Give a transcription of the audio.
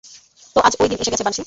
তো আজ ওই দিন এসে গেছে বানশি!